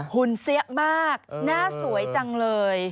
หุ่นเสี้ยมากหน้าสวยจังเลย